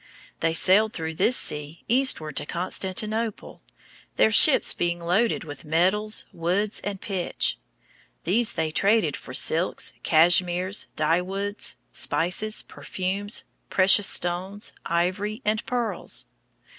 They sailed through this sea eastward to Constantinople, their ships being loaded with metals, woods, and pitch. These they traded for silks, cashmeres, dyewoods, spices, perfumes, precious stones, ivory, and pearls.